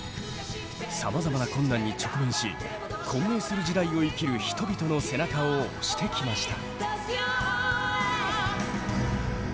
さまざまな困難に直面し混迷する時代を生きる人々の背中を押してきました。